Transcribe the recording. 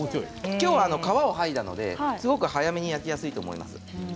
きょうは皮を剥いだのですごく早めに焼きやすいと思います。